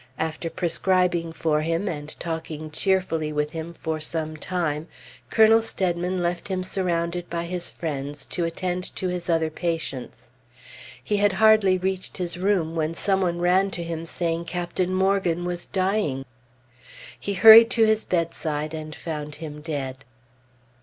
After prescribing for him, and talking cheerfully with him for some time, Colonel Steadman left him surrounded by his friends, to attend to his other patients. He had hardly reached his room when some one ran to him saying Captain Morgan was dying. He hurried to his bedside, and found him dead.